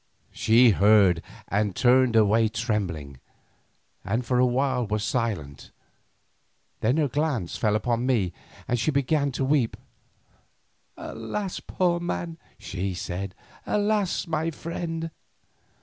She heard and turned away trembling, and for a while was silent. Then her glance fell upon me and she began to weep. "Alas! poor man," she said; "alas! my friend."